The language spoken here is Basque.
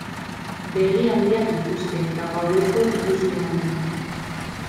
Begi handiak dituzte eta gaueko ikusmen ona.